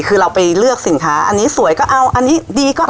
คือเราไปเลือกสินค้าอันนี้สวยก็เอาอันนี้ดีก็เอา